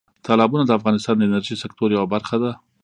تالابونه د افغانستان د انرژۍ سکتور یوه برخه ده.